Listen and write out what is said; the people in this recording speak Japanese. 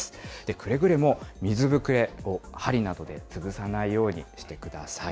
くれぐれも水ぶくれを針などで潰さないようにしてください。